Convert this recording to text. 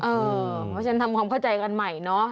เพราะฉะนั้นทำความเข้าใจกันใหม่เนาะ